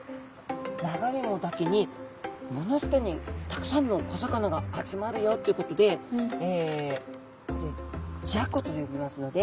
流れ藻だけに藻の下にたくさんの小魚が集まるよってことで雑魚と呼びますので。